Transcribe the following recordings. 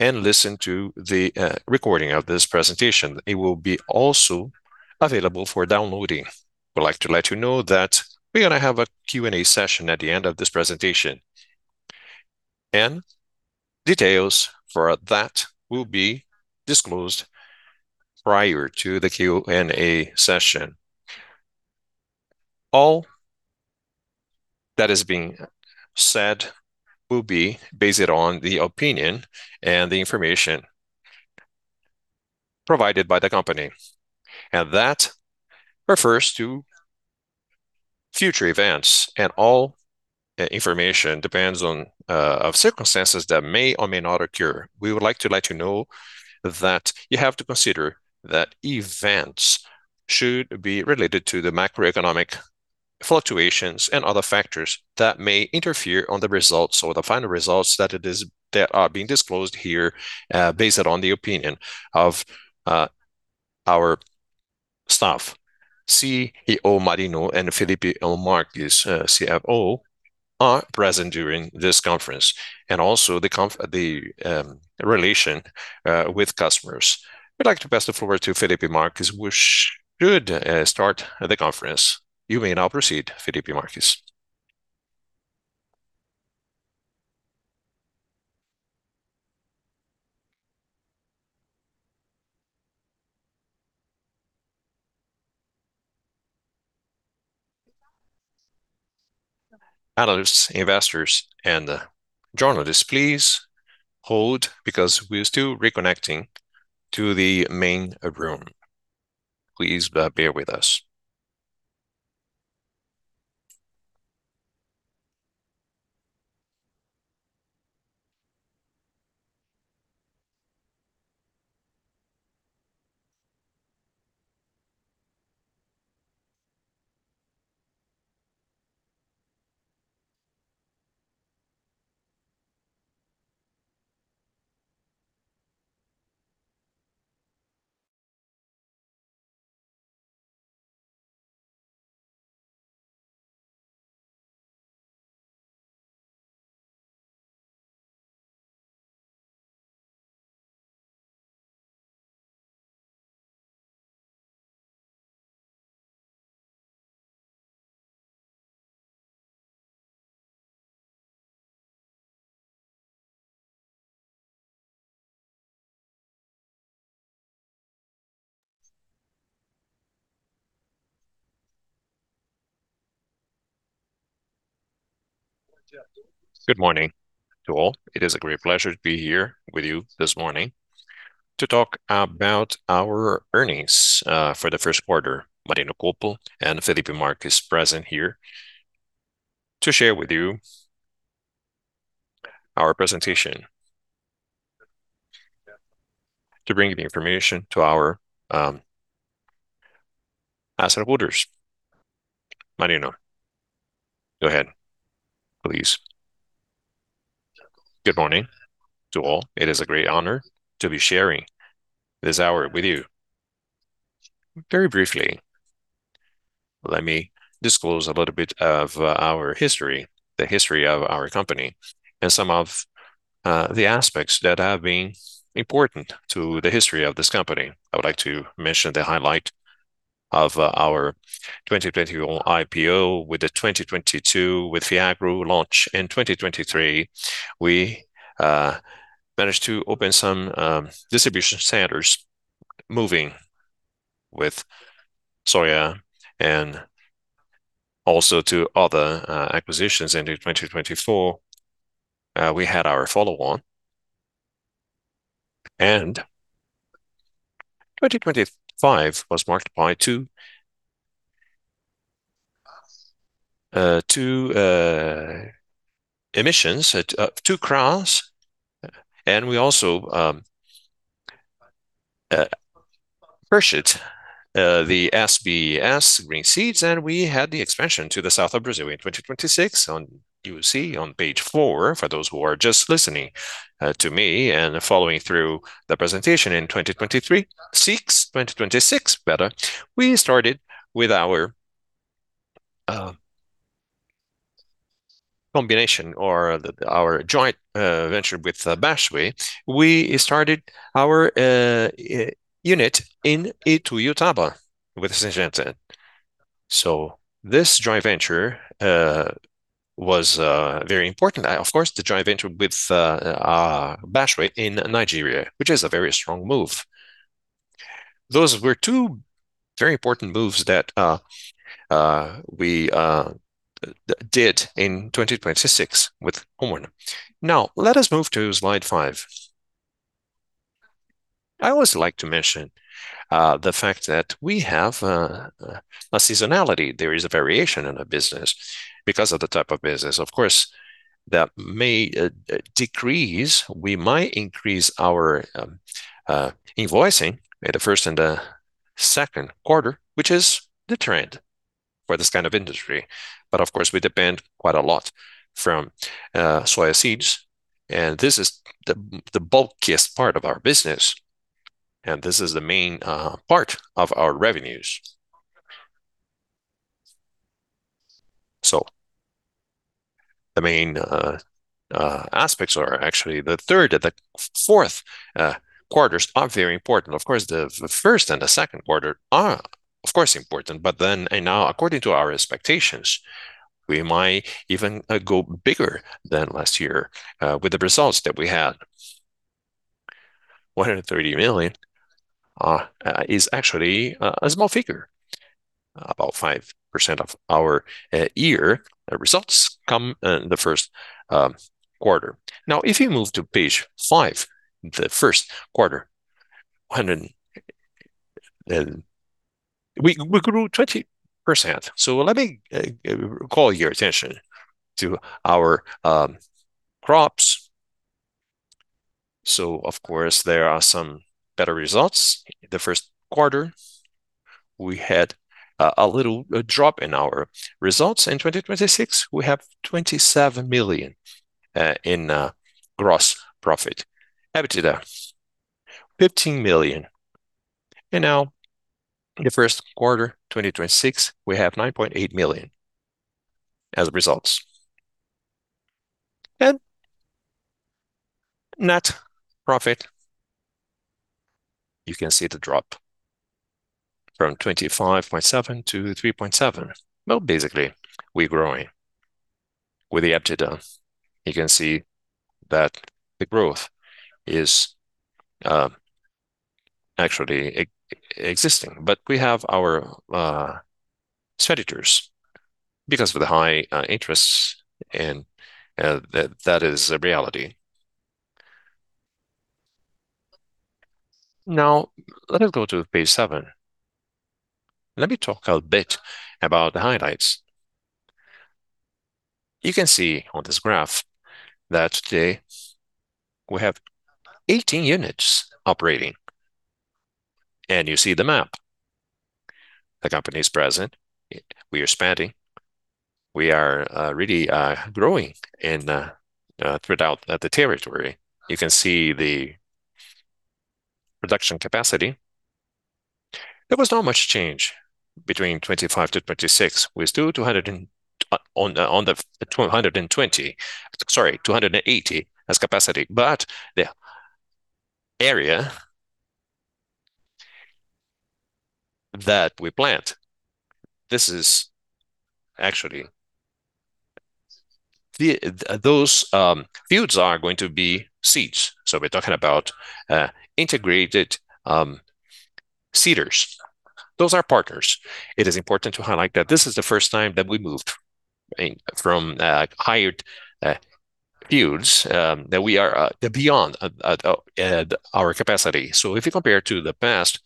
Listen to the recording of this presentation. It will be also available for downloading. We'd like to let you know that we're going to have a Q&A session at the end of this presentation, and details for that will be disclosed prior to the Q&A session. All that is being said will be based on the opinion and the information provided by the company, and that refers to future events, and all information depends on circumstances that may or may not occur. We would like to let you know that you have to consider that events should be related to the macroeconomic fluctuations and other factors that may interfere on the results or the final results that are being disclosed here, based on the opinion of our staff. CEO Marino Colpo and Felipe Marques, CFO, are present during this conference, and also the relation with customers. We'd like to pass the floor to Felipe Marques who should start the conference. You may now proceed, Felipe Marques. Analysts, investors, and journalists, please hold because we are still reconnecting to the main room. Please bear with us. Good morning to all. It is a great pleasure to be here with you this morning to talk about our earnings for the first quarter. Marino Colpo and Felipe Marques present here to share with you our presentation, to bring the information to our asset holders. Marino, go ahead, please. Good morning to all. It is a great honor to be sharing this hour with you. Very briefly, let me disclose a little bit of our history, the history of our company, and some of the aspects that have been important to the history of this company. I would like to mention the highlight of our 2020 IPO with the 2022 with Fiagro launch. In 2023, we managed to open some distribution centers moving with soya and also to other acquisitions. In 2024, we had our follow-on. 2025 was marked by two emissions at two CRAs. We also purchased the SBS Green Seeds, and we had the expansion to the south of Brazil in 2026. You will see on page four, for those who are just listening to me and following through the presentation in 2026, we started with our combination or our joint venture with BASF. We started our unit in Ituiutaba with Syngenta. This joint venture was very important. Of course, the joint venture with BASF in Nigeria, which is a very strong move. Those were two very important moves that we did in 2026 with Homero. Let us move to slide five. I always like to mention the fact that we have a seasonality. There is a variation in the business because of the type of business. Of course, that may decrease. We might increase our invoicing in the first and the second quarter, which is the trend for this kind of industry. Of course, we depend quite a lot from soya seeds, and this is the bulkiest part of our business, and this is the main part of our revenues. The main aspects are actually the third and the fourth quarters are very important. Of course, the first and the second quarter are, of course, important. According to our expectations, we might even go bigger than last year with the results that we had. 130 million is actually a small figure. About 5% of our year results come in the first quarter. If you move to page five, the first quarter, we grew 20%. Let me call your attention to our crops. Of course, there are some better results. The first quarter, we had a little drop in our results. In 2026, we have 27 million in gross profit. EBITDA, 15 million. Now in the first quarter, 2026, we have 9.8 million as results. Net profit, you can see the drop from 25.7 to 3.7. Well, basically, we're growing. With the EBITDA, you can see that the growth is actually existing. We have our creditors because of the high interests, and that is a reality. Let us go to page seven. Let me talk a bit about the highlights. You can see on this graph that today we have 18 units operating, and you see the map. The company is present. We are expanding. We are really growing throughout the territory. You can see the production capacity. There was not much change between 25-26. We're still 280 as capacity. The area that we plant, this is actually those fields are going to be seeds. We're talking about integrated seeders. Those are partners. It is important to highlight that this is the first time that we moved from hired fields that we are beyond our capacity. If you compare to the past,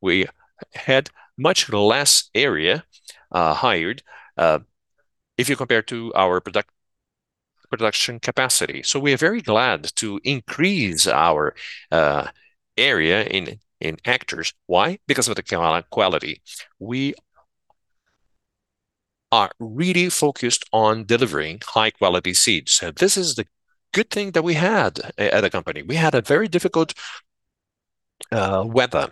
we had much less area hired, if you compare to our production capacity. We are very glad to increase our area in hectares. Why? Because of the quality. We are really focused on delivering high-quality seeds. This is the good thing that we had at the company. We had a very difficult weather.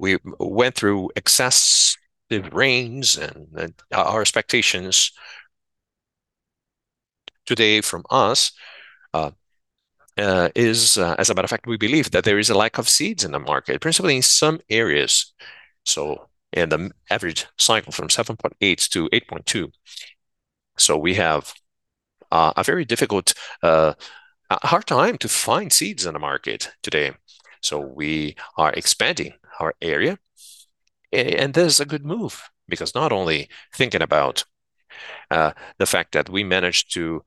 We went through excessive rains and our expectations today from us is, as a matter of fact, we believe that there is a lack of seeds in the market, principally in some areas. In the average cycle from 7.8-8.2. We have a very difficult, hard time to find seeds in the market today. We are expanding our area, and this is a good move because not only thinking about the fact that we managed to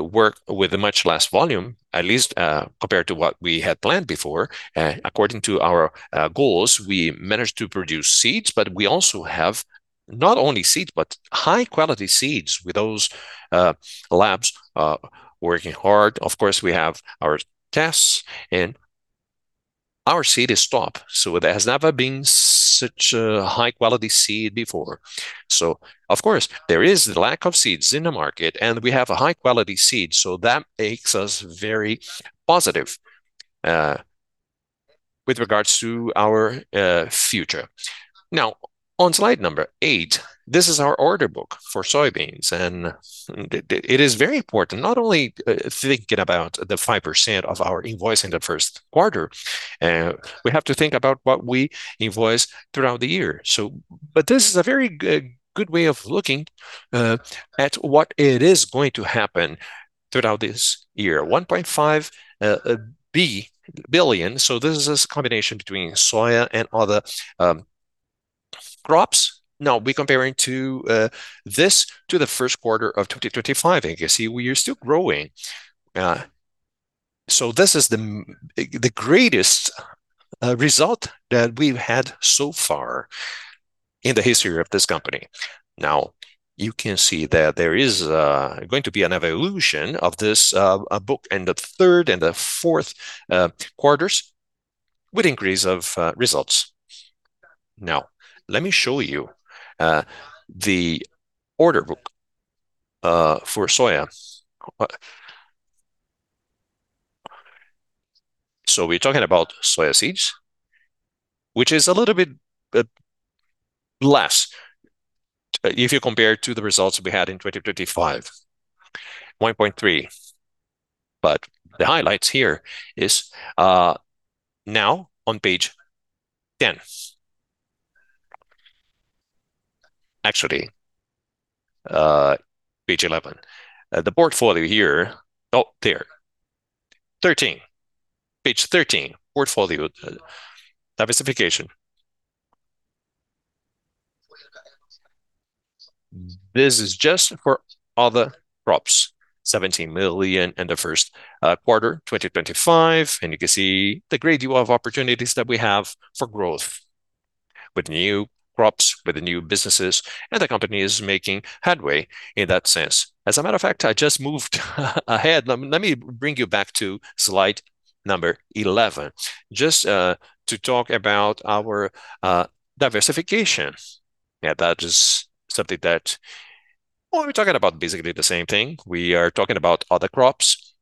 work with a much less volume, at least, compared to what we had planned before. According to our goals, we managed to produce seeds, but we also have not only seeds, but high-quality seeds with those labs working hard. Of course, we have our tests and our seed is top. There has never been such a high-quality seed before. Of course, there is the lack of seeds in the market, and we have a high-quality seed, so that makes us very positive with regards to our future. On slide number eight, this is our order book for soybeans, and it is very important not only thinking about the 5% of our invoice in the first quarter, we have to think about what we invoice throughout the year. But this is a very good way of looking at what it is going to happen throughout this year. 1.5 billion. This is a combination between soya and other crops. We're comparing this to the first quarter of 2025, and you can see we are still growing. This is the greatest result that we've had so far in the history of this company. Now, you can see that there is going to be an evolution of this book in the third and the fourth quarters with increase of results. Now, let me show you the order book for soya. So we're talking about soya seeds, which is a little bit less if you compare to the results we had in 2025. 1.3. The highlights here is now on page 10. Actually, page 11. The portfolio here Oh, there. 13. Page 13, portfolio diversification. This is just for other crops. 17 million in the first quarter, 2025, you can see the great deal of opportunities that we have for growth with new crops, with the new businesses, the company is making headway in that sense. As a matter of fact, I just moved ahead. Let me bring you back to slide number 11 just to talk about our diversification. That is something that we're talking about basically the same thing. We are talking about other crops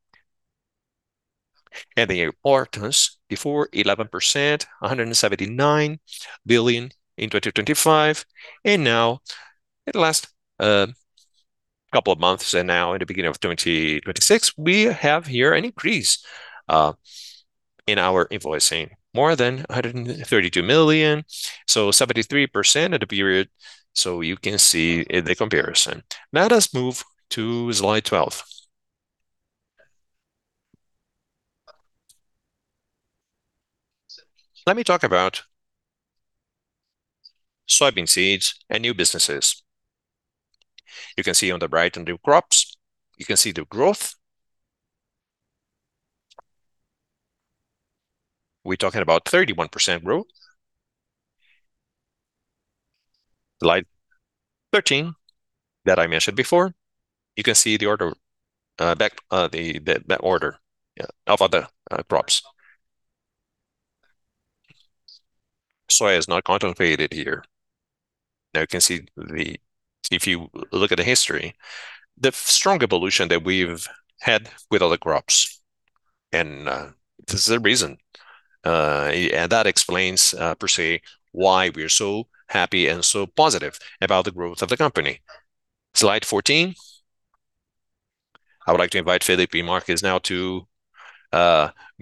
and the importance. Before 11%, 179 billion in 2025, in the last couple of months and in the beginning of 2026, we have here an increase in our invoicing. More than 132 million, 73% of the period, you can see in the comparison. Let's move to slide 12. Let me talk about soybean seeds and new businesses. You can see on the right under crops, you can see the growth. We're talking about 31% growth. Slide 13 that I mentioned before, you can see the order of other crops. Soy is not contemplated here. You can see if you look at the history, the strong evolution that we've had with other crops, and this is the reason. That explains per se why we are so happy and so positive about the growth of the company. Slide 14. I would like to invite Felipe Marques now to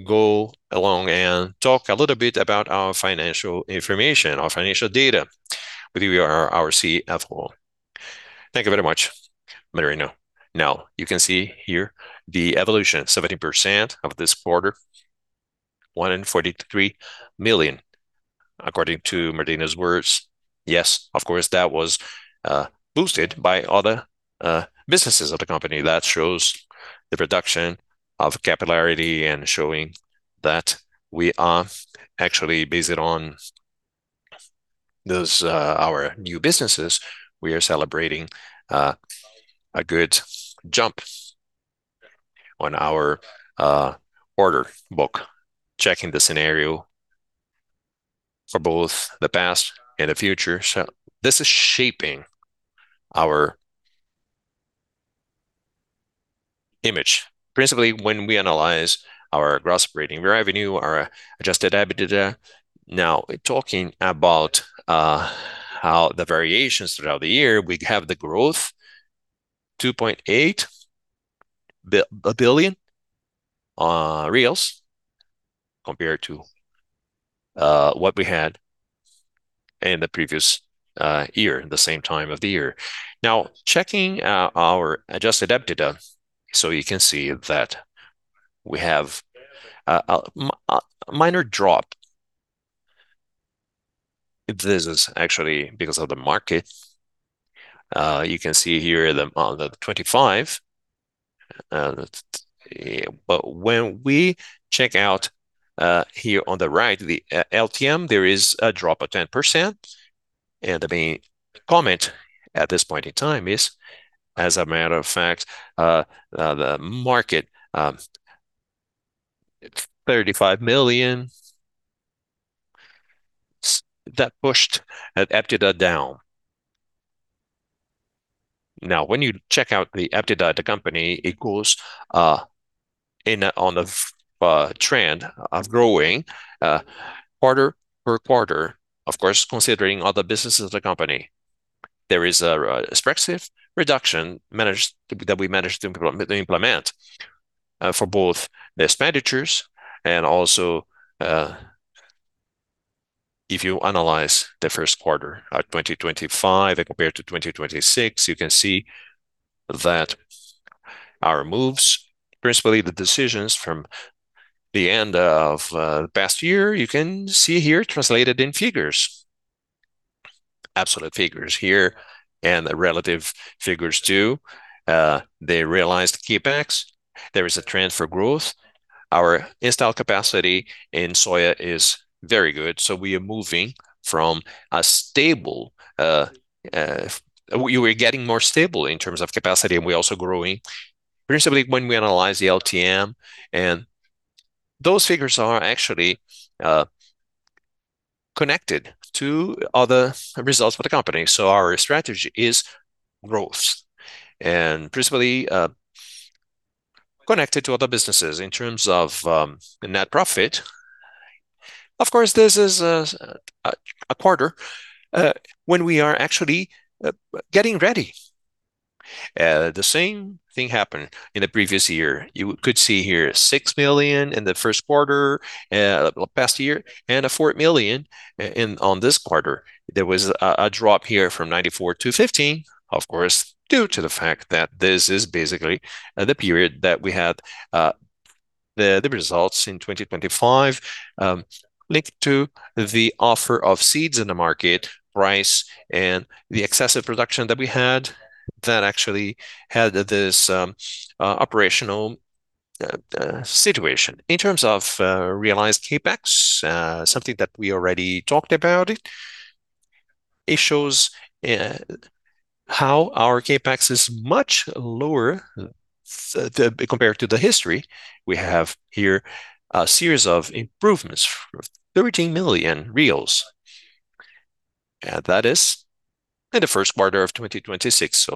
go along and talk a little bit about our financial information, our financial data. With you our CFO. Thank you very much, Marino. You can see here the evolution, 17% of this quarter, 143 million. According to Marino's words, yes, of course, that was boosted by other businesses of the company. That shows the production of capillarity and showing that we are actually based on those, our new businesses. We are celebrating, a good jump on our order book, checking the scenario for both the past and the future. This is shaping our image, principally when we analyze our gross operating revenue, our adjusted EBITDA. Talking about how the variations throughout the year, we have the growth, 2.8 billion compared to what we had in the previous year, the same time of the year. Checking our adjusted EBITDA, so you can see that we have a minor drop. This is actually because of the market. You can see here the, on the 25, but when we check out here on the right, the LTM, there is a drop of 10%, and the main comment at this point in time is, as a matter of fact, the market, BRL 35 million that pushed EBITDA down. Now when you check out the EBITDA of the company, it goes in a trend of growing quarter per quarter, of course, considering other businesses of the company. There is a expressive reduction that we managed to implement for both the expenditures and also, if you analyze the first quarter of 2025 and compared to 2026, you can see that our moves, principally the decisions from the end of the past year, you can see here translated in figures. Absolute figures here. The relative figures too. They realized CapEx. There is a transfer growth. Our install capacity in soya is very good, so we are moving from a stable. We're getting more stable in terms of capacity, and we're also growing. Principally when we analyze the LTM, those figures are actually connected to other results for the company. Our strategy is growth and principally connected to other businesses in terms of the net profit. Of course, this is a quarter when we are actually getting ready. The same thing happened in the previous year. You could see here 6 million in the first quarter past year and 4 million on this quarter. There was a drop here from 94-15, of course, due to the fact that this is basically the period that we had the results in 2025, linked to the offer of seeds in the market price and the excessive production that we had that actually had this operational situation. In terms of realized CapEx, something that we already talked about it shows how our CapEx is much lower than compared to the history. We have here a series of improvements of 13 million, that is in the first quarter of 2026.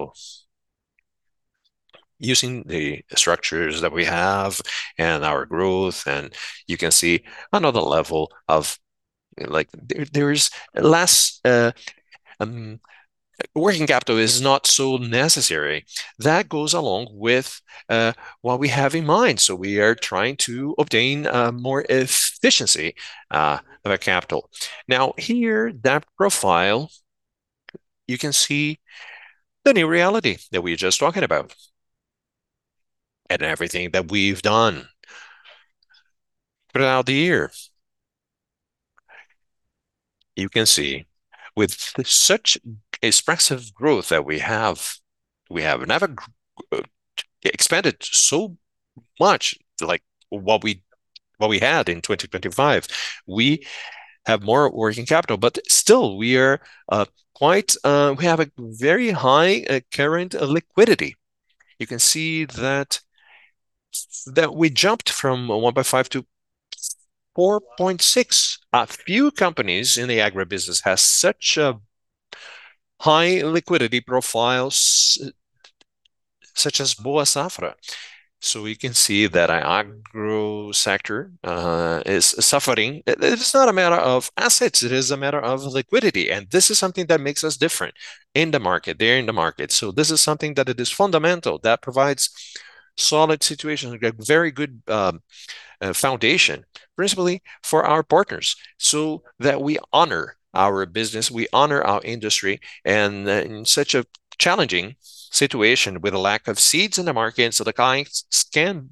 Using the structures that we have and our growth, you can see another level of less Working capital is not so necessary. That goes along with what we have in mind. We are trying to obtain more efficiency of our capital. Now, here, that profile, you can see the new reality that we're just talking about and everything that we've done throughout the year. You can see with such expressive growth that we have, we have never expanded so much like what we, what we had in 2025. We have more working capital. We have a very high current liquidity. You can see that we jumped from 1.5-4.6. A few companies in the agribusiness has such a high liquidity profiles such as Boa Safra. We can see that agro sector is suffering. It is not a matter of assets, it is a matter of liquidity, and this is something that makes us different in the market. They're in the market. This is something that it is fundamental, that provides solid situation, a very good foundation, principally for our partners, so that we honor our business, we honor our industry, and in such a challenging situation with a lack of seeds in the market, so the clients can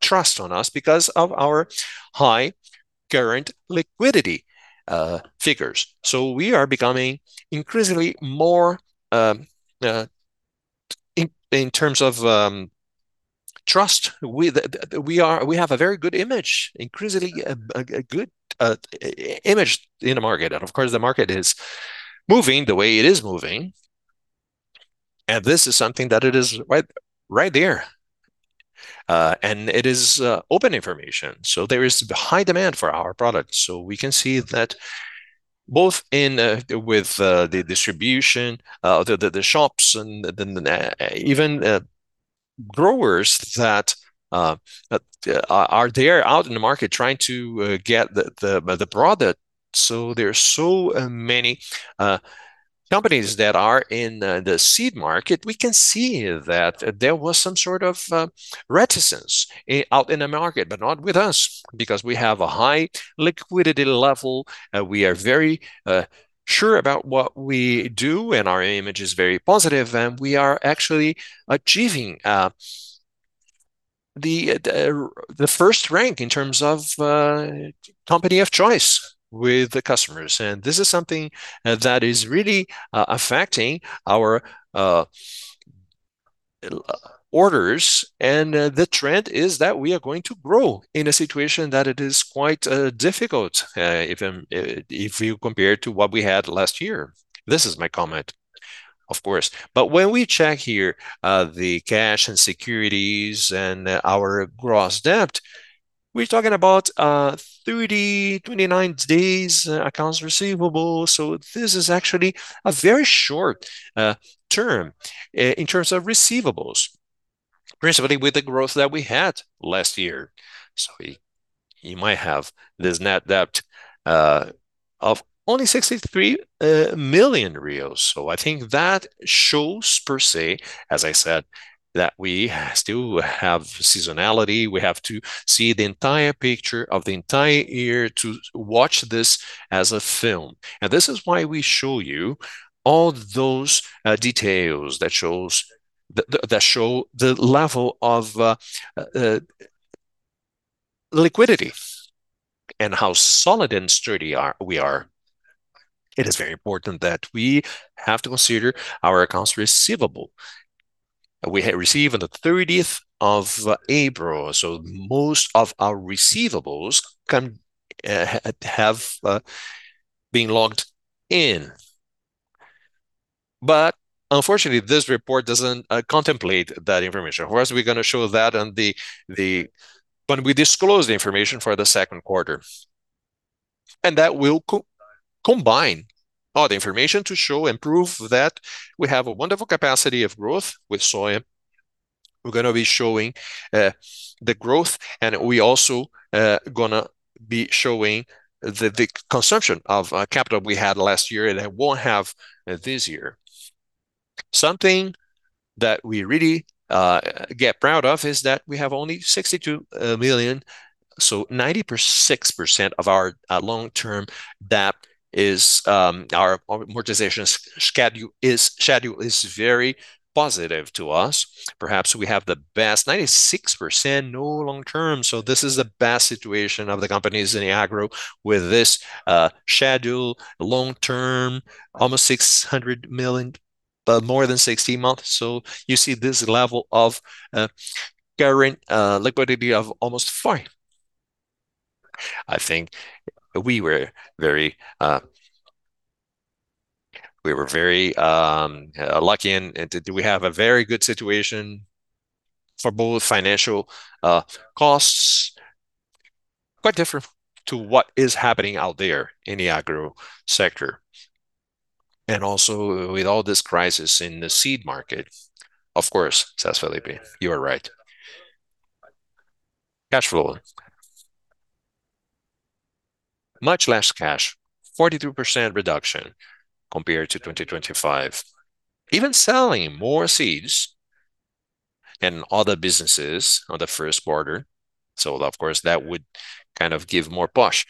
trust on us because of our high current liquidity figures. We are becoming increasingly more in terms of trust. We have a very good image, increasingly a good image in the market. Of course, the market is moving the way it is moving, and this is something that it is right there. It is open information. There is high demand for our products. We can see that both in, with, the distribution, the shops and then, even, growers that, are there out in the market trying to, get the product. There are so many companies that are in the seed market. We can see that there was some sort of reticence out in the market, but not with us because we have a high liquidity level. We are very sure about what we do and our image is very positive and we are actually achieving the first rank in terms of company of choice with the customers and this is something that is really affecting our orders and the trend is that we are going to grow in a situation that it is quite difficult even if you compare to what we had last year. This is my comment, of course. When we check here the cash and securities and our gross debt, we're talking about 30, 29 days accounts receivable. This is actually a very short term in terms of receivables, principally with the growth that we had last year. You might have this net debt of only 63 million. I think that shows per se, as I said, that we still have seasonality. We have to see the entire picture of the entire year to watch this as a film. This is why we show you all those details that show the level of liquidity and how solid and sturdy we are. It is very important that we have to consider our accounts receivable. We have received on the April 30th, most of our receivables can have been logged in. Unfortunately, this report doesn't contemplate that information. We're going to show that on the When we disclose the information for the second quarter. That will co-combine all the information to show and prove that we have a wonderful capacity of growth with soya. We're gonna be showing the growth, and we also gonna be showing the consumption of capital we had last year and that won't have this year. Something that we really get proud of is that we have only 62 million, so 96% of our long-term debt, our amortizations schedule is very positive to us. Perhaps we have the best 96% no long-term, so this is the best situation of the companies in the agro with this schedule long-term, almost 600 million, but more than 60 months. You see this level of current liquidity of almost five. I think we were very lucky. We have a very good situation for both financial costs, quite different to what is happening out there in the agro sector. Also with all this crisis in the seed market, of course, Felipe Marques, you are right. Cash flow. Much less cash, 42% reduction compared to 2025. Even selling more seeds and other businesses on the first quarter, of course that would kind of give more push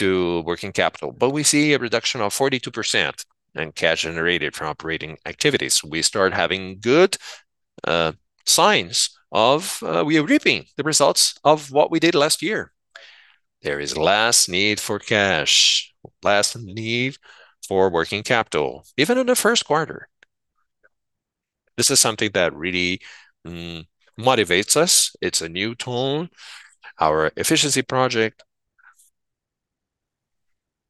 to working capital. We see a reduction of 42% in cash generated from operating activities. We start having good signs of, we are reaping the results of what we did last year. There is less need for cash, less need for working capital, even in the first quarter. This is something that really motivates us. It's a new tone. Our efficiency project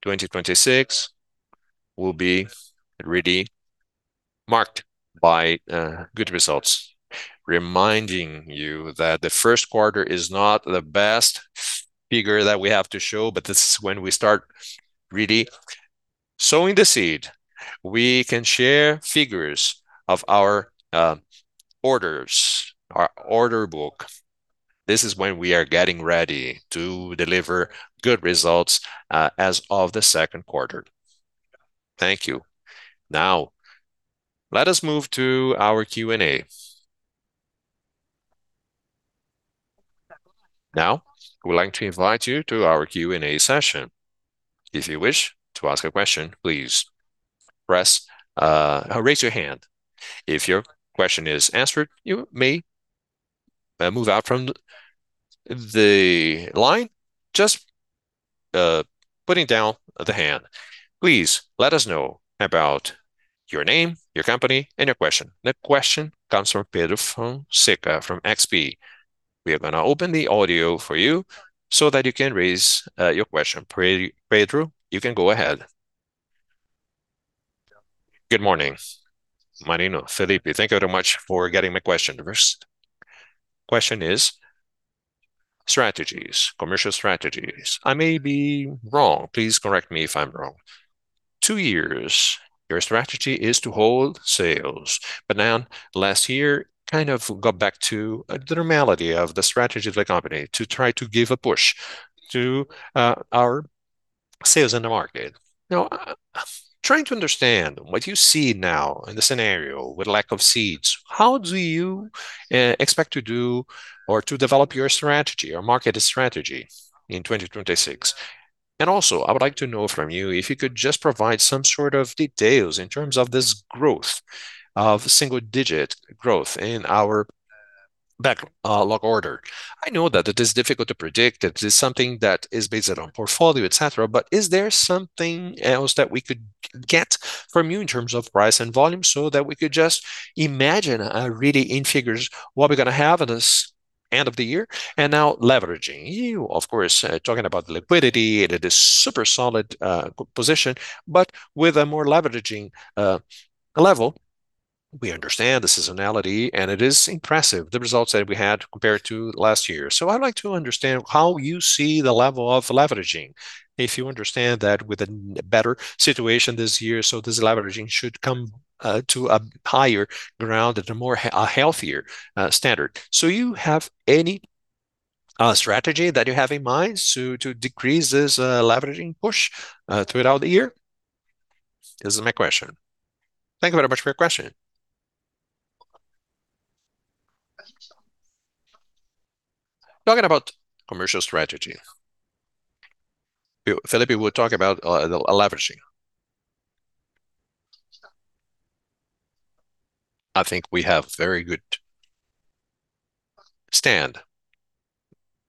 2026 will be really marked by good results. Reminding you that the first quarter is not the best figure that we have to show, but this is when we start really sowing the seed. We can share figures of our orders, our order book. This is when we are getting ready to deliver good results as of the second quarter. Thank you. Let us move to our Q&A. We would like to invite you to our Q&A session. If you wish to ask a question, please press or raise your hand. If your question is answered, you may move out from the line just putting down the hand. Please let us know about your name, your company, and your question. The question comes from Pedro from CICA from XP. We are gonna open the audio for you so that you can raise your question. Pedro Gama, you can go ahead. Good morning, Marino and Felipe. Thank you very much for getting my question first. Question is strategies, commercial strategies. I may be wrong. Please correct me if I'm wrong. Two years, your strategy is to hold sales, but now last year kind of got back to the normality of the strategy of the company to try to give a push to our sales in the market. Now, trying to understand what you see now in the scenario with lack of seeds, how do you expect to do or to develop your strategy or marketed strategy in 2026? I would like to know from you if you could just provide some sort of details in terms of this growth, of single-digit growth in our backlog order. I know that it is difficult to predict. It is something that is based on portfolio, et cetera, but is there something else that we could get from you in terms of price and volume so that we could just imagine really in figures what we're going to have at this end of the year? Leveraging. You of course, are talking about the liquidity, it is super solid position, but with a more leveraging level, we understand the seasonality, and it is impressive the results that we had compared to last year. I'd like to understand how you see the level of leveraging, if you understand that with a better situation this year, this leveraging should come to a higher ground at a more healthier standard. You have any strategy that you have in mind to decrease this leveraging push throughout the year? This is my question. Thank you very much for your question. Talking about commercial strategy, Felipe would talk about the leveraging. I think we have very good stand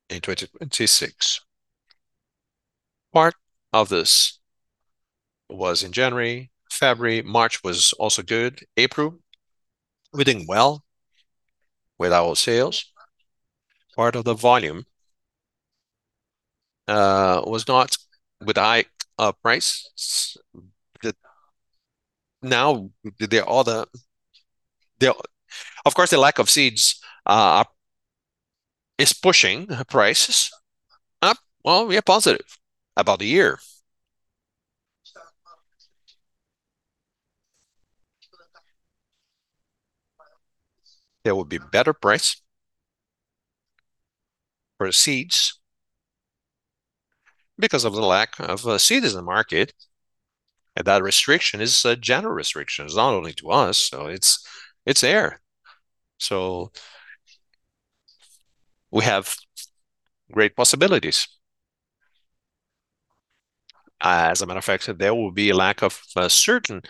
in 2026. Part of this was in January. February, March was also good. April, we're doing well with our sales. Part of the volume was not with high price. Now, of course, the lack of seeds is pushing prices up. We are positive about the year. There will be better price for the seeds because of the lack of seed in the market, and that restriction is a general restriction. It's not only to us, so it's there. We have great possibilities. As a matter of fact, there will be a lack of certain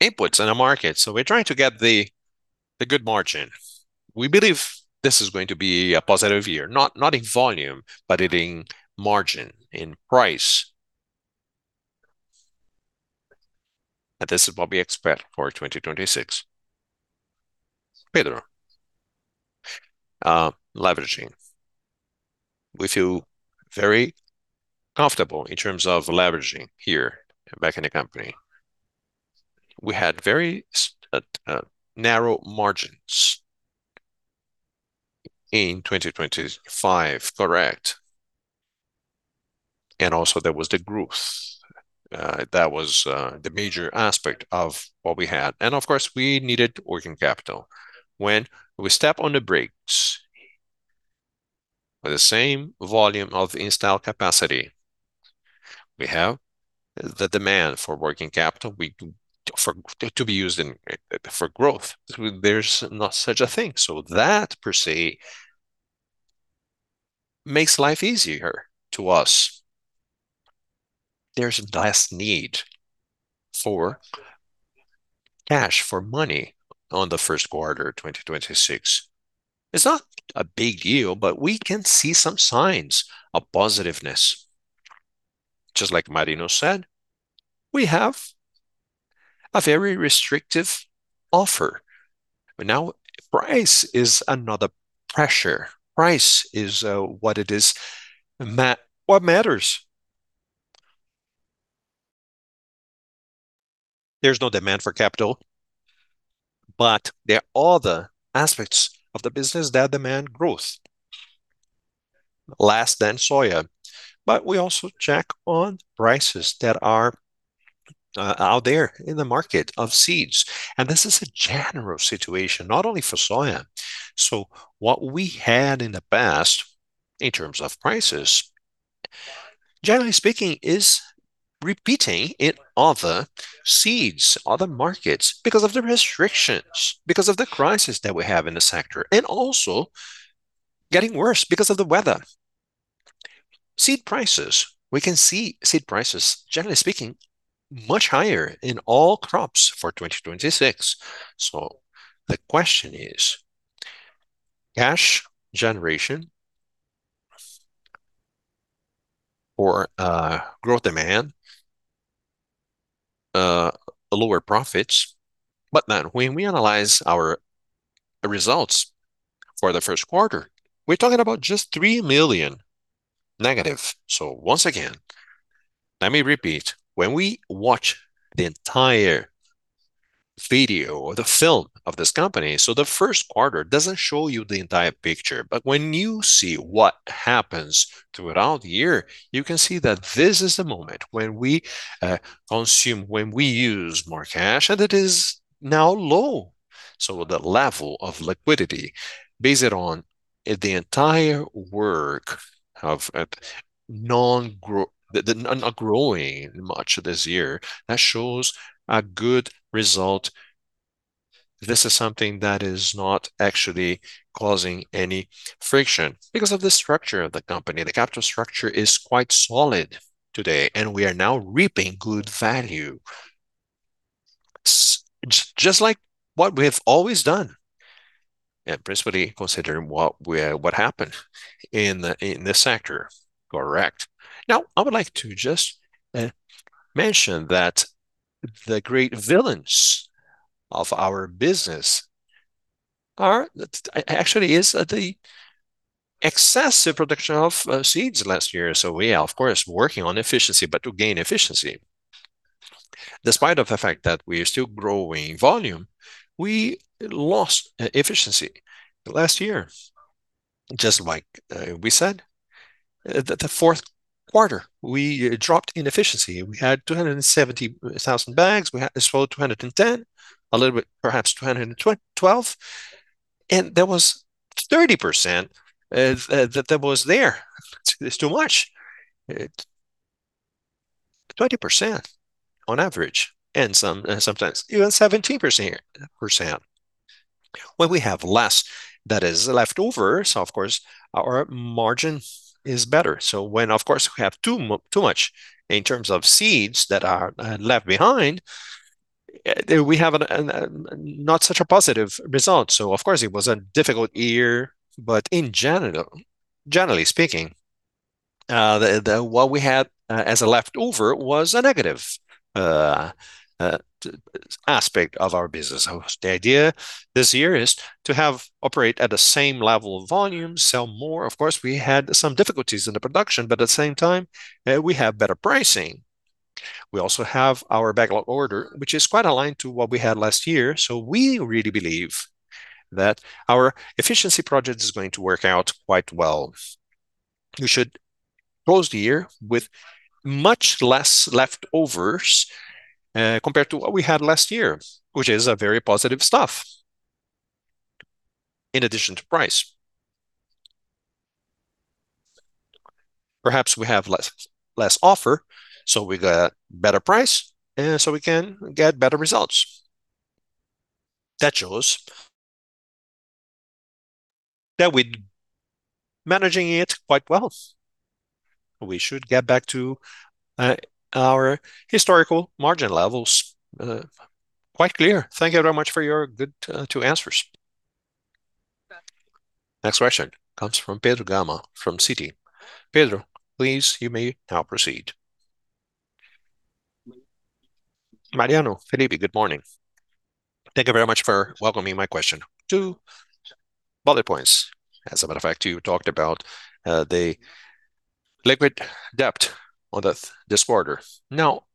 inputs in the market, so we're trying to get the good margin. We believe this is going to be a positive year, not in volume, but in margin, in price. This is what we expect for 2026. Pedro. Leveraging. We feel very comfortable in terms of leveraging here back in the company. We had very narrow margins in 2025, correct. Also there was the growth. That was the major aspect of what we had. Of course, we needed working capital. When we step on the brakes with the same volume of installed capacity, we have the demand for working capital for growth. There's not such a thing. That per se makes life easier to us. There's less need for cash, for money on the first quarter 2026. It's not a big deal, but we can see some signs of positiveness. Just like Marino said, we have a very restrictive offer. Now price is another pressure. Price is what matters. There's no demand for capital, but there are other aspects of the business that demand growth. Less than soya. We also check on prices that are out there in the market of seeds. This is a general situation, not only for soya. What we had in the past in terms of prices, generally speaking, is repeating in other seeds, other markets because of the restrictions, because of the crisis that we have in the sector, and also getting worse because of the weather. Seed prices, we can see seed prices, generally speaking, much higher in all crops for 2026. The question is cash generation or growth demand, lower profits. When we analyze our results for the first quarter, we're talking about just 3 million negative. Once again, let me repeat, when we watch the entire video or the film of this company. The first quarter doesn't show you the entire picture, but when you see what happens throughout the year, you can see that this is the moment when we consume, when we use more cash, and it is now low. The level of liquidity based on the entire work of not growing much this year, that shows a good result. This is something that is not actually causing any friction because of the structure of the company. The capital structure is quite solid today, and we are now reaping good value. Just like what we have always done, and principally considering what happened in this sector. Correct. I would like to just mention that the great villains of our business actually is the excessive production of seeds last year. We are, of course, working on efficiency, but to gain efficiency. Despite of the fact that we are still growing volume, we lost efficiency last year. Just like we said, the fourth quarter, we dropped in efficiency. We had 270,000 bags. We have as well 210, a little bit, perhaps 212. There was 30% that was there. It's too much. 20% on average, and sometimes even 17%. When we have less that is left over, of course, our margin is better. When, of course, we have too much in terms of seeds that are left behind, we have not such a positive result. Of course, it was a difficult year. In general, generally speaking. The what we had as a leftover was a negative aspect of our business. The idea this year is to have operate at the same level of volume, sell more. Of course, we had some difficulties in the production, but at the same time, we have better pricing. We also have our backlog order, which is quite aligned to what we had last year. We really believe that our efficiency project is going to work out quite well. We should close the year with much less leftovers compared to what we had last year, which is a very positive stuff in addition to price. Perhaps we have less offer, so we got better price. We can get better results. That shows that we're managing it quite well. We should get back to our historical margin levels quite clear. Thank you very much for your good two answers. Next question comes from Pedro Gama from Citi. Pedro, please you may now proceed. Marino, Felipe, good morning. Thank you very much for welcoming my question. Two bullet points. As a matter of fact, you talked about the liquid debt this quarter.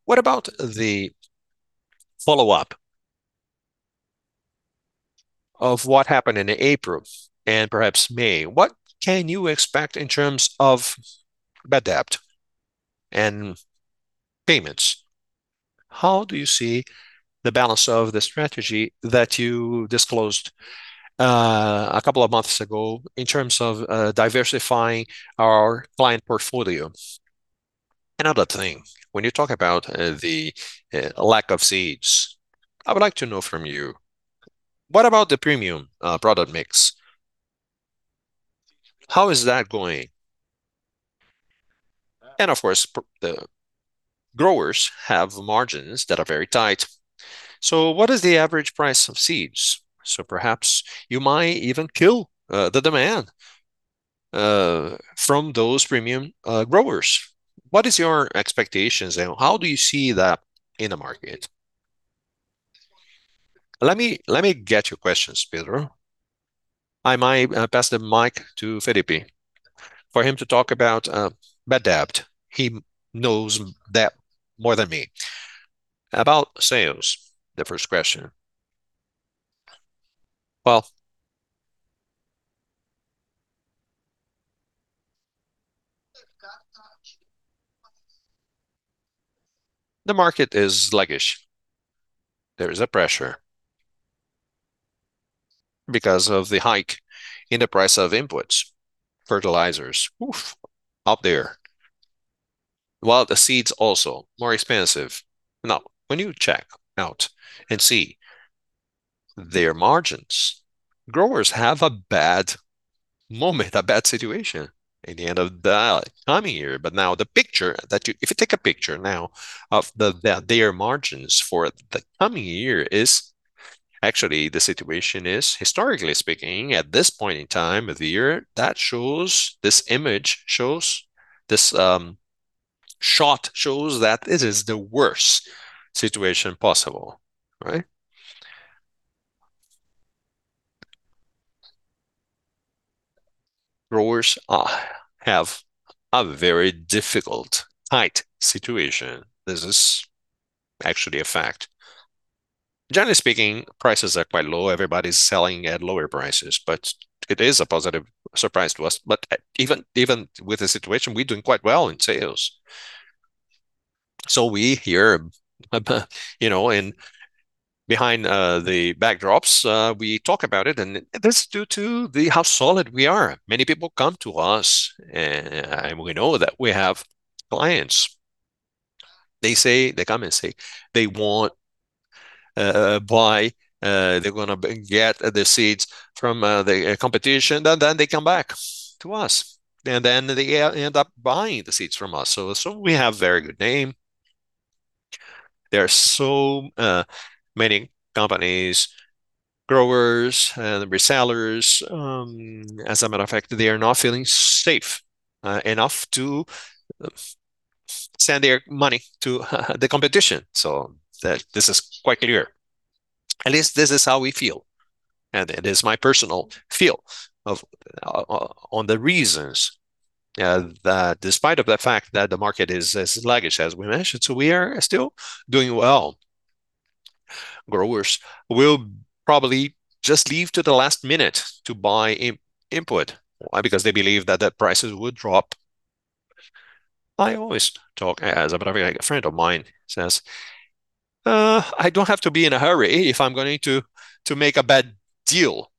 What about the follow-up of what happened in April and perhaps May? What can you expect in terms of bad debt and payments? How do you see the balance of the strategy that you disclosed a couple of months ago in terms of diversifying our client portfolio? Another thing, when you talk about the lack of seeds, I would like to know from you, what about the premium product mix? How is that going? Of course, the growers have margins that are very tight. What is the average price of seeds? Perhaps you might even kill the demand from those premium growers. What is your expectations and how do you see that in the market? Let me get your questions, Pedro. I might pass the mic to Felipe for him to talk about bad debt. He knows that more than me. About sales, the first question. Well, the market is sluggish. There is a pressure because of the hike in the price of inputs, fertilizers, oof, up there. While the seeds also more expensive. Now, when you check out and see their margins, growers have a bad moment, a bad situation in the end of the coming year. Now the picture that if you take a picture now of the, their margins for the coming year is actually the situation is historically speaking at this point in time of the year, that shows that it is the worst situation possible, right? Growers have a very difficult height situation. This is actually a fact. Generally speaking, prices are quite low. Everybody's selling at lower prices, but it is a positive surprise to us. Even with the situation, we're doing quite well in sales. We here, you know, in behind the backdrops, we talk about it, and this is due to the how solid we are. Many people come to us and we know that we have clients. They come and say they want to buy, they're gonna get the seeds from the competition, and then they come back to us. They end up buying the seeds from us. We have very good name. There are so many companies, growers and resellers, as a matter of fact, they are not feeling safe enough to send their money to the competition. That this is quite clear. At least this is how we feel, and it is my personal feel on the reasons that despite of the fact that the market is as sluggish as we mentioned, we are still doing well. Growers will probably just leave to the last minute to buy input. Why? Because they believe that the prices would drop. I always talk as a friend of mine says, "I don't have to be in a hurry if I'm going to make a bad deal."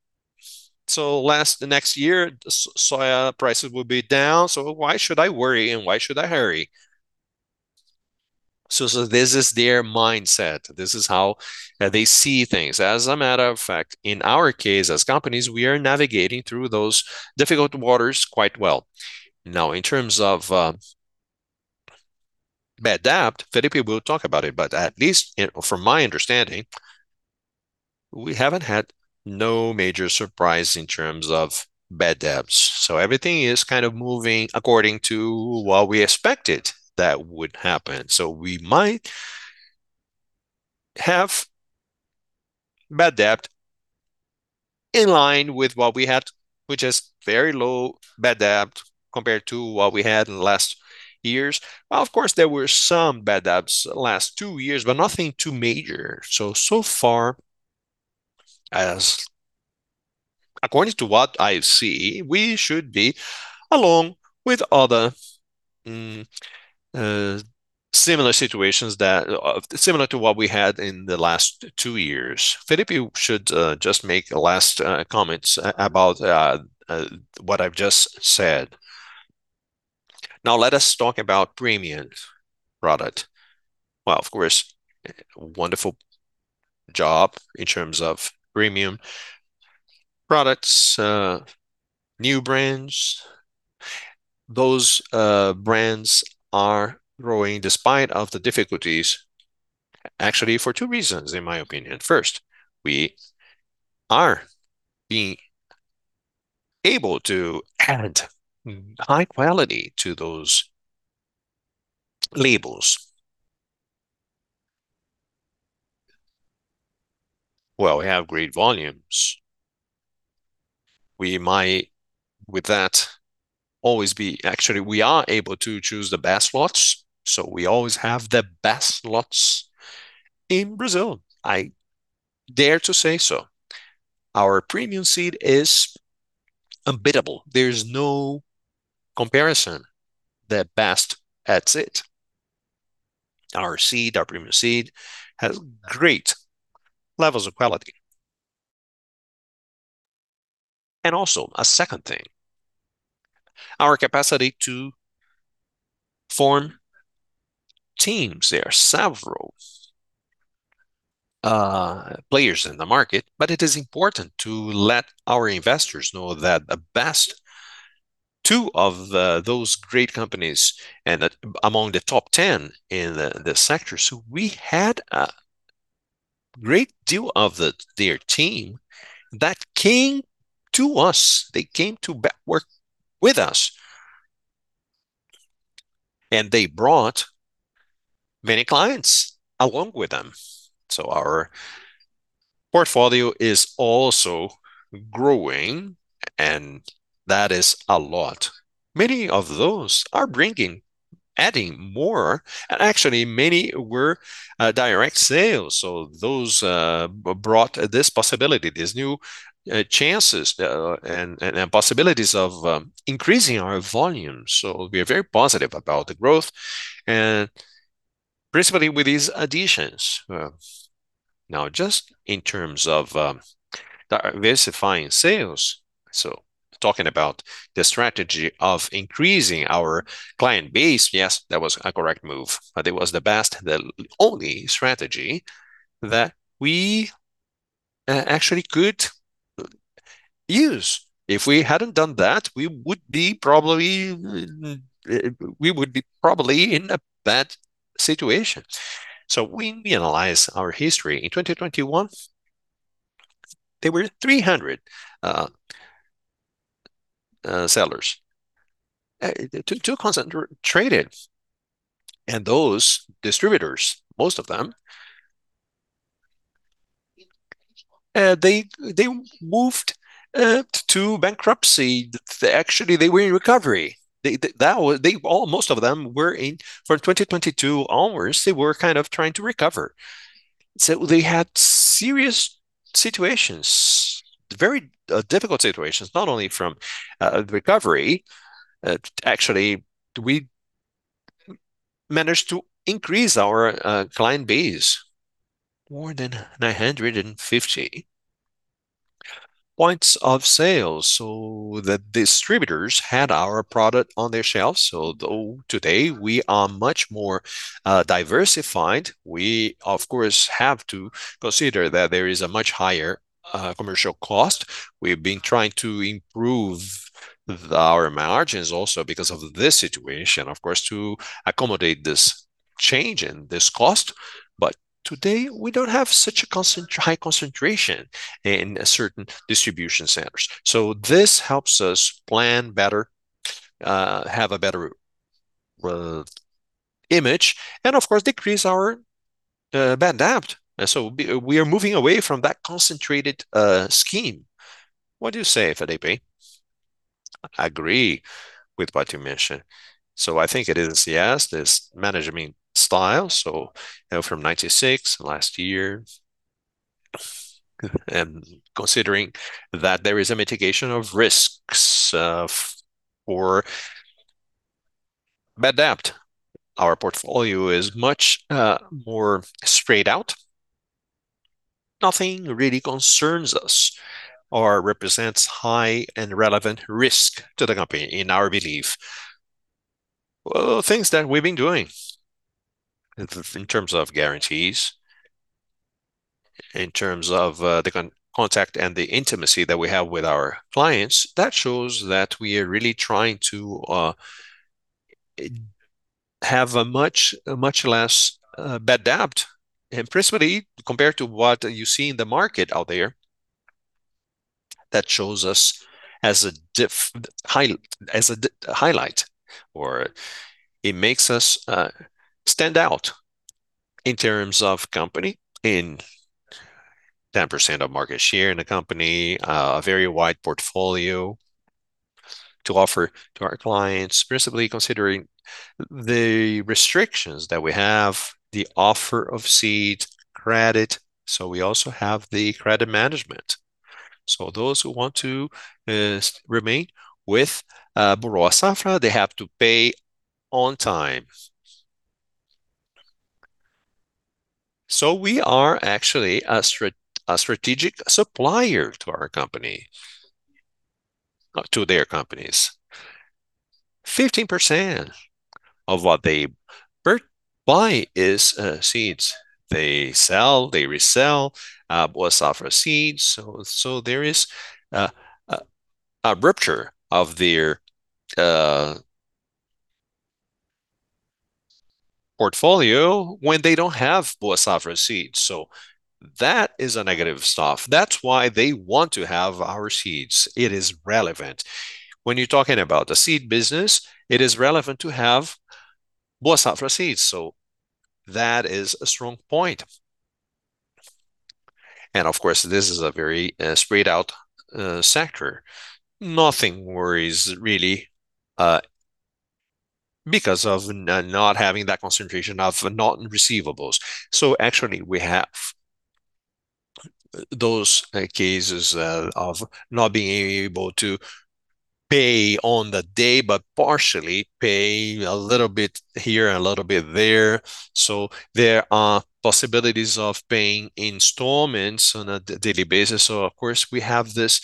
Next year, soy prices will be down, so why should I worry and why should I hurry? This is their mindset. This is how they see things. As a matter of fact, in our case as companies, we are navigating through those difficult waters quite well. In terms of bad debt, Felipe will talk about it, but at least from my understanding, we haven't had no major surprise in terms of bad debts. Everything is kind of moving according to what we expected that would happen. We might have bad debt in line with what we had, which is very low bad debt compared to what we had in the last years. Well, of course, there were some bad debts last two years, but nothing too major. So far as according to what I see, we should be along with other similar situations similar to what we had in the last two years. Felipe should just make last comments about what I've just said. Let us talk about premium product. Well, of course, wonderful job in terms of premium products, new brands. Those brands are growing despite of the difficulties, actually for two reasons, in my opinion. First, we are being able to add high quality to those labels. Well, we have great volumes. Actually, we are able to choose the best lots, so we always have the best lots in Brazil. I dare to say so. Our premium seed is unbeatable. There's no comparison. The best, that's it. Our seed, our premium seed has great levels of quality. Also a second thing, our capacity to form teams. There are several players in the market, it is important to let our investors know that the best two of those great companies and among the top 10 in the sector. We had a great deal of their team that came to us. They came to work with us, they brought many clients along with them. Our portfolio is also growing, that is a lot. Many of those are bringing, adding more, actually many were direct sales. Those brought this possibility, these new chances and possibilities of increasing our volume. We are very positive about the growth, principally with these additions. Now just in terms of diversifying sales, talking about the strategy of increasing our client base, yes, that was a correct move, but it was the only strategy that we actually could use. If we hadn't done that, we would be probably in a bad situation. When we analyze our history, in 2021 there were 300 sellers. Too concentrated, and those distributors, most of them, they moved to bankruptcy. Actually, they were in recovery. From 2022 onwards, they were kind of trying to recover. They had serious situations, very difficult situations, not only from recovery. Actually, we managed to increase our client base more than 950 points of sale. The distributors had our product on their shelves. Though today we are much more diversified, we of course, have to consider that there is a much higher commercial cost. We've been trying to improve our margins also because of this situation, of course, to accommodate this change and this cost. Today, we don't have such a high concentration in certain distribution centers. This helps us plan better, have a better image and of course, decrease our bad debt. We are moving away from that concentrated scheme. What do you say, Felipe? Agree with what you mentioned. I think it is, yes, this management style. You know, from 96, last year, and considering that there is a mitigation of risks for bad debt, our portfolio is much more spread out. Nothing really concerns us or represents high and relevant risk to the company, in our belief. Things that we've been doing in terms of guarantees. In terms of the contact and the intimacy that we have with our clients, that shows that we are really trying to have a much less bad debt, principally compared to what you see in the market out there, that shows us as a highlight or it makes us stand out in terms of company in 10% of market share in the company, a very wide portfolio to offer to our clients, principally considering the restrictions that we have, the offer of seed credit. We also have the credit management. Those who want to remain with Boa Safra, they have to pay on time. We are actually a strategic supplier to our company, to their companies. 15% of what they buy is seeds. They sell, they resell Boa Safra seeds. There is a rupture of their portfolio when they don't have Boa Safra seeds. That is a negative stuff. That's why they want to have our seeds. It is relevant. When you're talking about the seed business, it is relevant to have Boa Safra seeds. That is a strong point. Of course, this is a very spread out sector. Nothing worries really because of not having that concentration of not receivables. Actually we have those cases of not being able to pay on the day, but partially pay a little bit here, a little bit there. There are possibilities of paying installments on a daily basis. Of course, we have this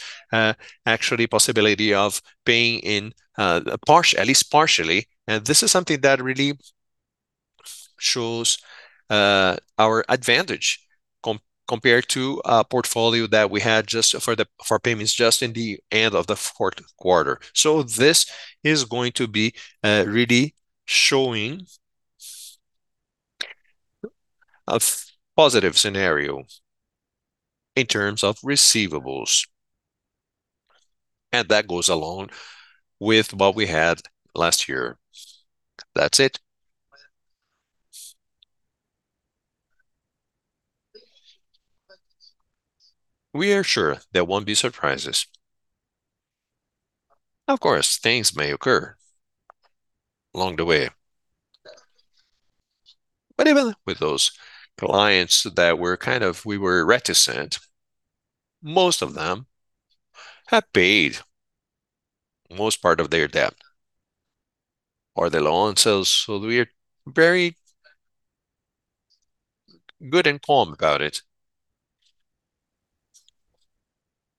actually possibility of paying in at least partially. This is something that really shows our advantage compared to a portfolio that we had just for payments just in the end of the fourth quarter. This is going to be really showing a positive scenario in terms of receivables, and that goes along with what we had last year. That's it. We are sure there won't be surprises. Of course, things may occur along the way. Even with those clients that we were reticent, most of them have paid most part of their debt or their loans. We're very good and calm about it.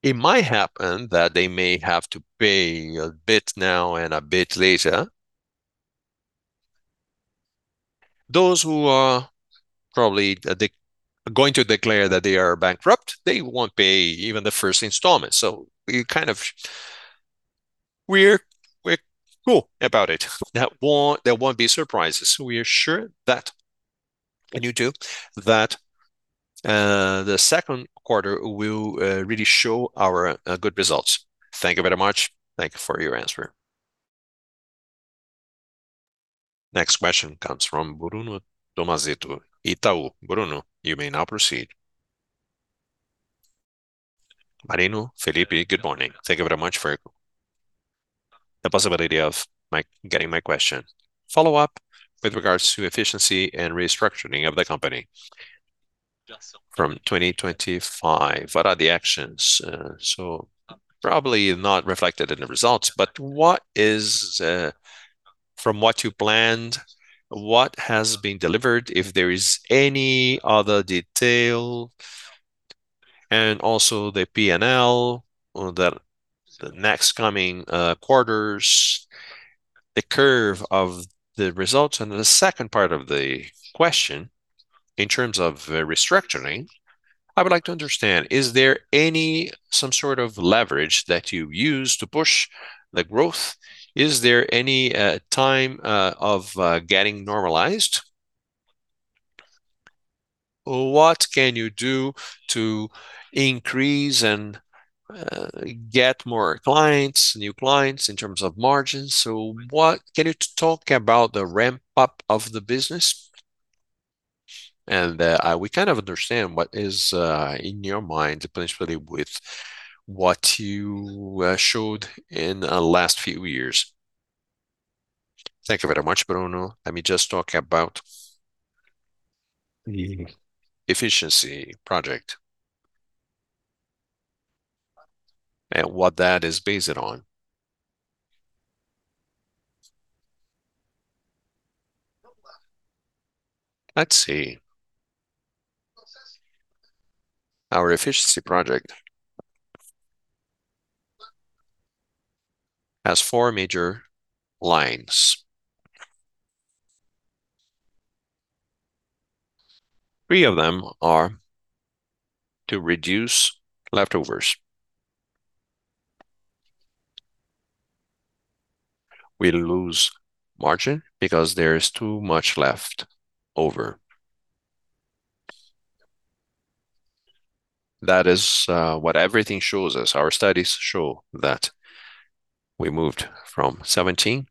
It might happen that they may have to pay a bit now and a bit later. Those who are probably going to declare that they are bankrupt, they won't pay even the first installment. We kind of We're cool about it. That won't, there won't be surprises. We are sure that, and you too, that the second quarter will really show our good results. Thank you very much. Thank you for your answer. Next question comes from Bruno Tomazetto, Itaú. Bruno, you may now proceed. Marino, Felipe, good morning. Thank you very much for the possibility of getting my question. Follow-up with regards to efficiency and restructuring of the company from 2025. What are the actions? Probably not reflected in the results, what is from what you planned, what has been delivered, if there is any other detail? Also the P&L, the next coming quarters, the curve of the results. The second part of the question, in terms of restructuring, I would like to understand, is there any some sort of leverage that you use to push the growth? Is there any time of getting normalized? What can you do to increase and get more clients, new clients in terms of margins? What can you talk about the ramp-up of the business? We kind of understand what is in your mind, principally with what you showed in last few years. Thank you very much, Bruno. Let me just talk about the efficiency project and what that is based on. Let's see. Our efficiency project has four major lines. Three of them are to reduce leftovers. We lose margin because there is too much left over. That is what everything shows us. Our studies show that we moved from 17%,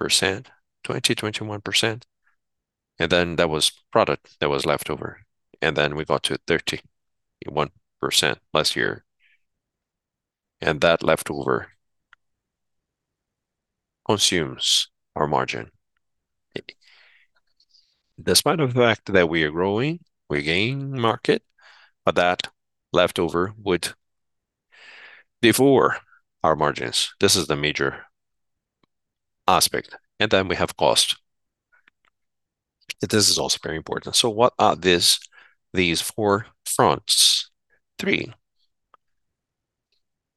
20%, 21%, and then there was product that was left over, and then we got to 31% last year, and that leftover consumes our margin. Despite of the fact that we are growing, we gain market. That leftover would before our margins. This is the major aspect. Then we have cost. This is also very important. What are this, these four fronts? Three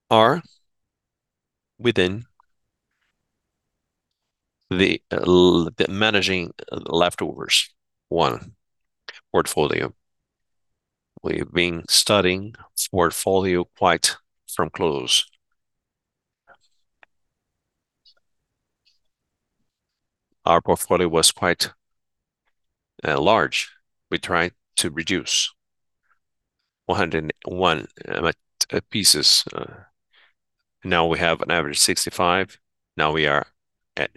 are within the managing leftovers. 1, portfolio. We've been studying portfolio quite from close. Our portfolio was quite large. We tried to reduce 101 pieces. Now we have an average 65. Now we are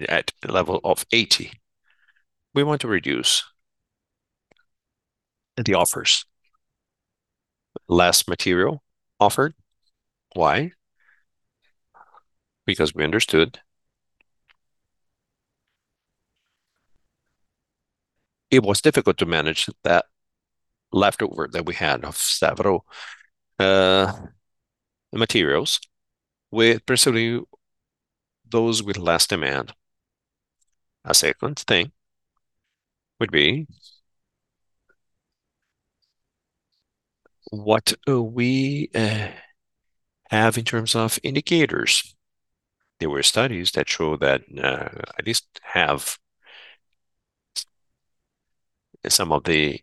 at a level of 80. We want to reduce the offers. Less material offered. Why? Because we understood it was difficult to manage that leftover that we had of several materials with presumably those with less demand. A second thing would be what we have in terms of indicators. There were studies that show that at least half some of the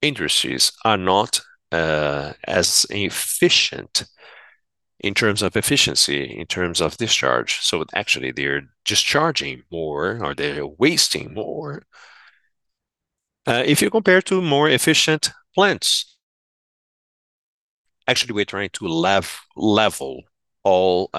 industries are not as efficient in terms of efficiency, in terms of discharge. Actually, they're discharging more or they're wasting more if you compare to more efficient plants. Actually, we're trying to level all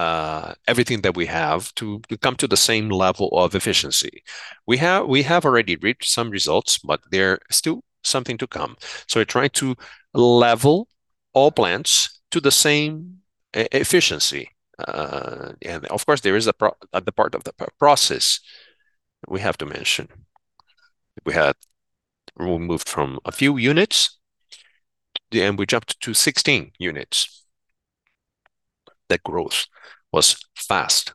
everything that we have to come to the same level of efficiency. We have already reached some results, but there's still something to come. We're trying to level all plants to the same efficiency. Of course, there is a part of the process we have to mention. We moved from a few units and we jumped to 16 units. The growth was fast.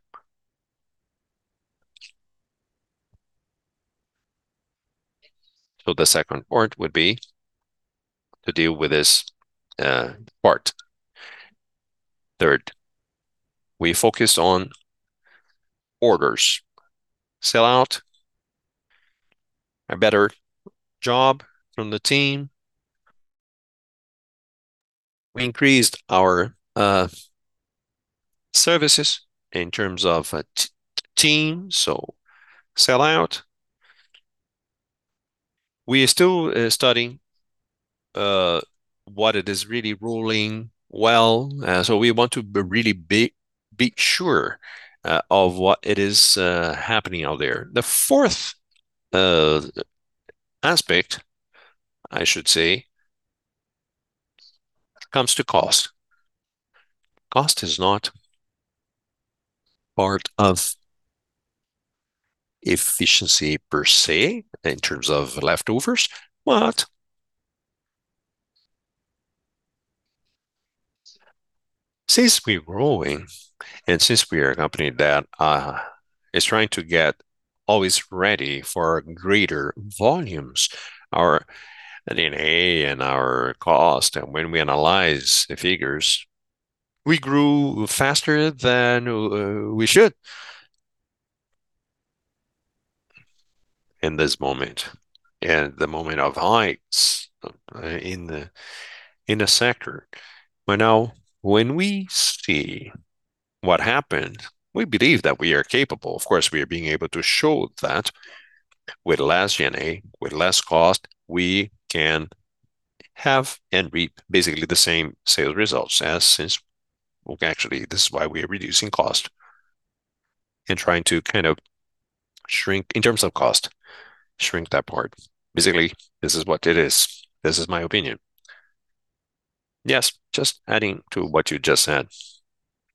The second point would be to deal with this part. Third, we focus on orders. Sell out, a better job from the team. We increased our services in terms of team, so sell out. We are still studying what it is really rolling well. We want to be really be sure of what it is happening out there. The fourth aspect, I should say, comes to cost. Cost is not part of efficiency per se in terms of leftovers, since we're growing and since we are a company that is trying to get always ready for greater volumes, our NNA and our cost, and when we analyze the figures, we grew faster than we should in this moment and the moment of heights in the sector. Now when we see what happened, we believe that we are capable. Of course, we are being able to show that with less NNA, with less cost, we can have and reap basically the same sales results. Well, actually, this is why we are reducing cost and trying to kind of shrink, in terms of cost, shrink that part. Basically, this is what it is. This is my opinion. Yes, just adding to what you just said.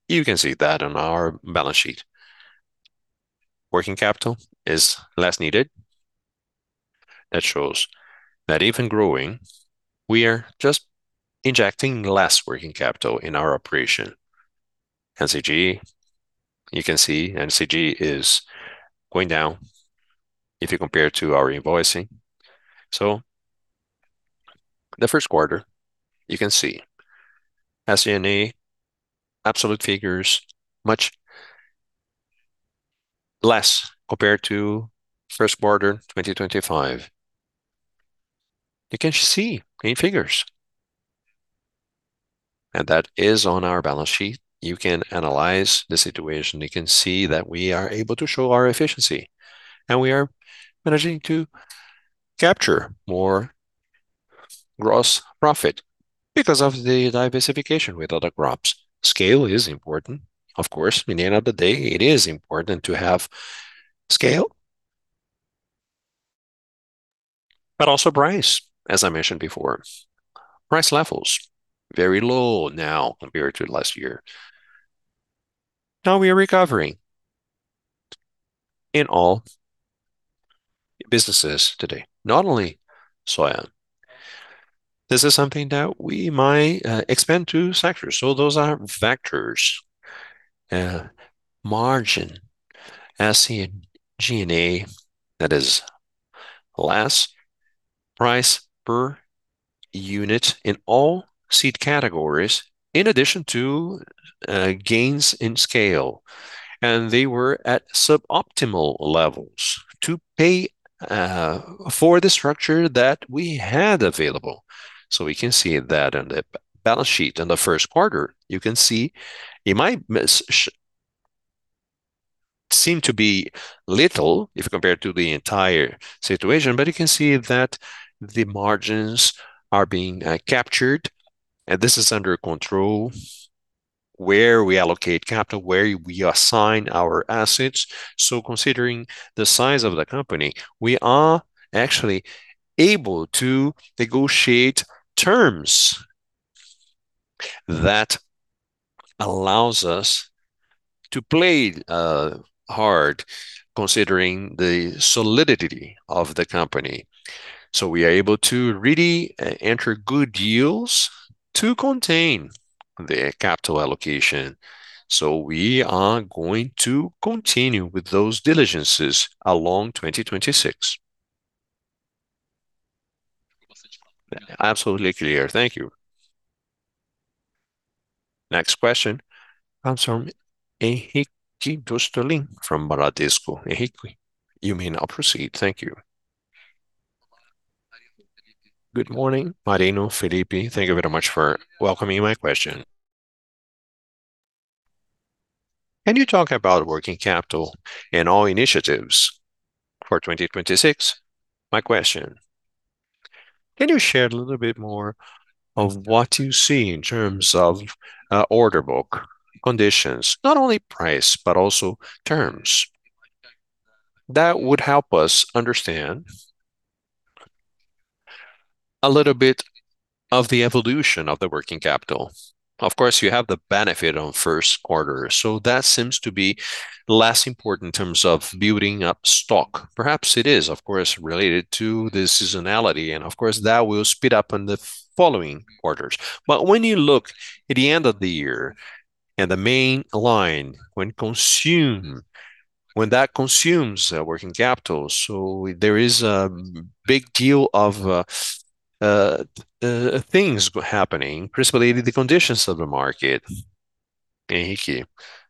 You can see that on our balance sheet. Working capital is less needed. That shows that even growing, we are just injecting less working capital in our operation. NCG, you can see NCG is going down if you compare to our invoicing. The first quarter, you can see, as in absolute figures much less compared to first quarter 2025. You can see in figures. That is on our balance sheet. You can analyze the situation. You can see that we are able to show our efficiency, and we are managing to capture more gross profit because of the diversification with other crops. Scale is important. Of course, in the end of the day, it is important to have scale, but also price, as I mentioned before. Price levels, very low now compared to last year. Now we are recovering in all businesses today, not only soya. This is something that we might expand to sectors. Those are factors, margin, SG&A that is less price per unit in all seed categories in addition to gains in scale. They were at suboptimal levels to pay for the structure that we had available. We can see that in the balance sheet in the first quarter. You can see it might seem to be little if compared to the entire situation, but you can see that the margins are being captured, and this is under control where we allocate capital, where we assign our assets. Considering the size of the company, we are actually able to negotiate terms that allows us to play hard considering the solidity of the company. We are able to really enter good deals to contain the capital allocation. We are going to continue with those diligences along 2026. Absolutely clear. Thank you. Next question comes from Henrique Brustolin from Bradesco. Henrique, you may now proceed. Thank you. Good morning, Marino, Felipe. Thank you very much for welcoming my question. You talk about working capital and all initiatives for 2026. My question, can you share a little bit more of what you see in terms of order book conditions, not only price, but also terms? That would help us understand a little bit of the evolution of the working capital. Of course, you have the benefit on first quarter, so that seems to be less important in terms of building up stock. Perhaps it is, of course, related to the seasonality, and of course, that will speed up in the following quarters. When you look at the end of the year and the main line when that consumes working capital, there is a big deal of things happening, principally the conditions of the market. Henrique,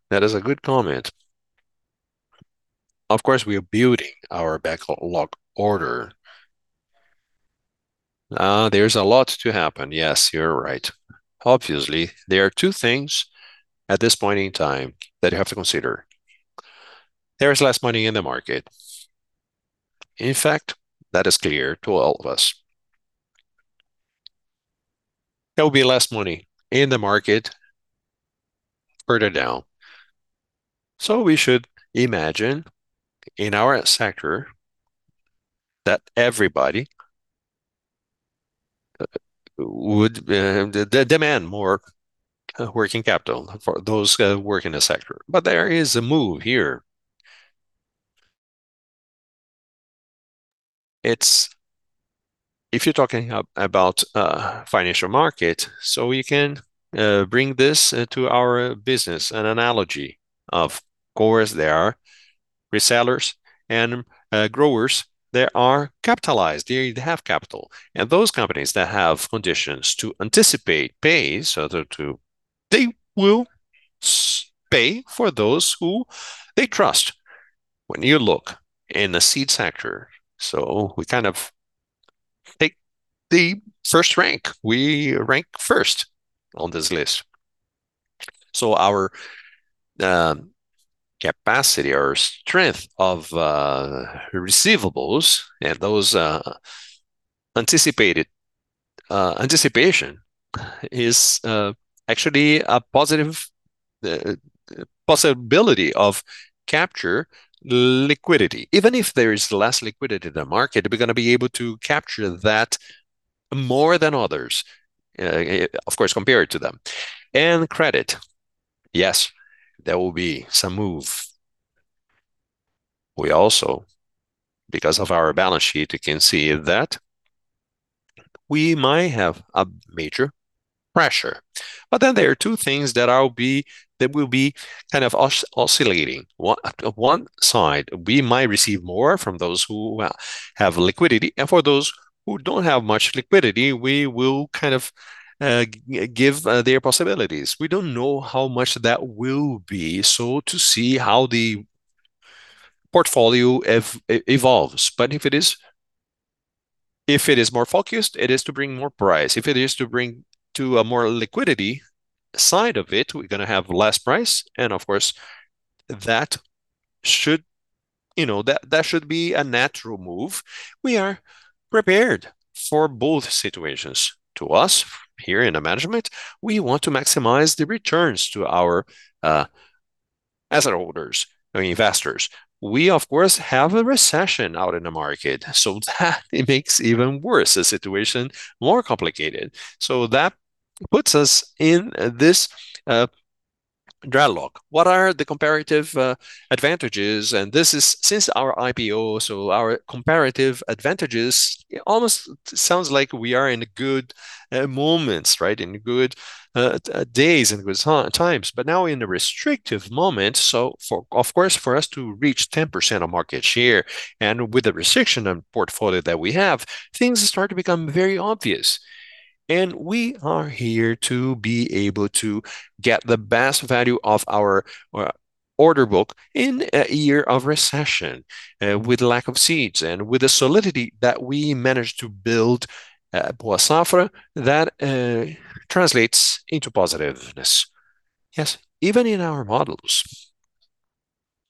that is a good comment. Of course, we are building our backlog order. There's a lot to happen. Yes, you're right. Obviously, there are two things at this point in time that you have to consider. There is less money in the market. In fact, that is clear to all of us. There will be less money in the market further down. We should imagine in our sector that everybody would de-demand more working capital for those work in the sector. There is a move here. If you're talking about financial market, we can bring this to our business, an analogy. Of course, there are resellers and growers that are capitalized. They have capital. Those companies that have conditions to anticipate pay so that they will pay for those who they trust. When you look in the seed sector, we kind of take the first rank. We rank first on this list. Our capacity or strength of receivables and those anticipation is actually a positive possibility of capture liquidity. Even if there is less liquidity in the market, we're gonna be able to capture that more than others, of course, compared to them. Credit, yes, there will be some move. We also, because of our balance sheet, you can see that we might have a major pressure. There are two things that will be kind of oscillating. One side we might receive more from those who have liquidity, and for those who don't have much liquidity, we will kind of give their possibilities. We don't know how much that will be, so to see how the portfolio evolves. If it is more focused, it is to bring more price. If it is to bring to a more liquidity side of it, we're gonna have less price, and of course, you know, that should be a natural move. We are prepared for both situations. To us here in the management, we want to maximize the returns to our asset holders or investors. We of course, have a recession out in the market, so that it makes even worse the situation more complicated. That puts us in this dialogue. What are the comparative advantages? This is since our IPO, our comparative advantages almost sounds like we are in good moments, right? In good days, in good times. Now we're in a restrictive moment, of course, for us to reach 10% of market share and with the restriction on portfolio that we have, things start to become very obvious. We are here to be able to get the best value of our order book in a year of recession, with lack of seeds and with the solidity that we managed to build at Boa Safra that translates into positiveness. Yes, even in our models,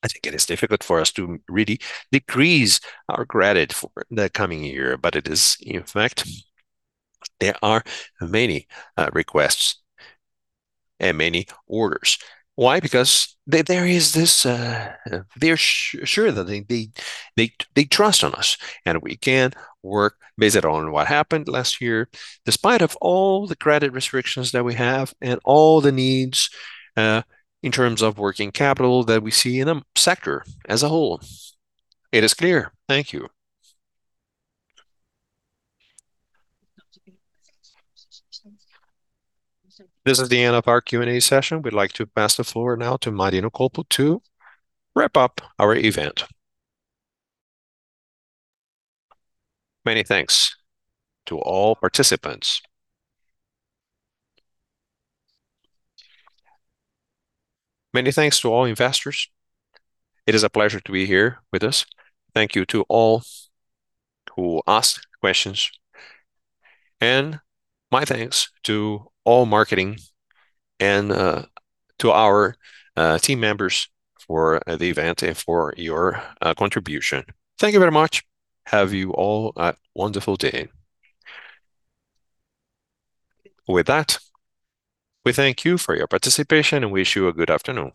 I think it is difficult for us to really decrease our credit for the coming year. In fact, there are many requests and many orders. Why? Because there is this, they're sure that they trust on us, and we can work based on what happened last year, despite of all the credit restrictions that we have and all the needs in terms of working capital that we see in the sector as a whole. It is clear. Thank you. This is the end of our Q&A session. We'd like to pass the floor now to Marino Colpo to wrap up our event. Many thanks to all participants. Many thanks to all investors. It is a pleasure to be here with us. Thank you to all who asked questions, and my thanks to all marketing and to our team members for the event and for your contribution. Thank you very much. Have you all a wonderful day. With that, we thank you for your participation and wish you a good afternoon.